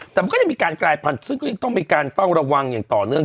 แต่มันก็ยังมีการกลายพันธุ์ซึ่งก็ยังต้องมีการเฝ้าระวังอย่างต่อเนื่อง